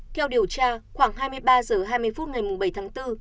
theo điều tra khoảng hai mươi ba h hai mươi phút ngày bảy tháng bốn